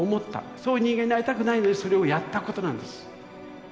そういう人間になりたくないのにそれをやったことなんです。